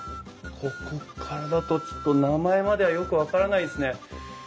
ここからだとちょっと名前まではよく分からないですね。